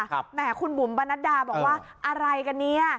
แหมคุณบุ๋มปนัดดาบอกว่าอะไรกันเนี่ย